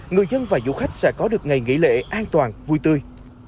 người dân và du khách sẽ có được ngày nghỉ lễ an toàn vui tươi